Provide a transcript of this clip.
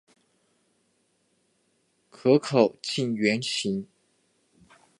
壳口近圆形。